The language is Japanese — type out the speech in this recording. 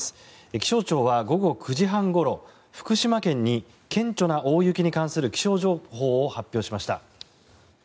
気象庁は午後９時半ごろ福島県に顕著な大雪に関する気象情報を発表しました。